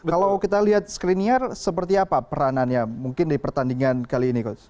kalau kita lihat screener seperti apa peranannya mungkin di pertandingan kali ini coach